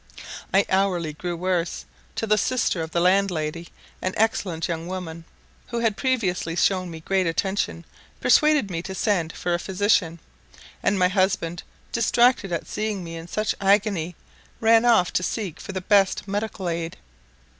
I hourly grew worse, till the sister of the landlady, an excellent young woman, who had previously shown me great attention, persuaded me to send for a physician; and my husband, distracted at seeing me in such agony, ran off to seek for the best medical aid.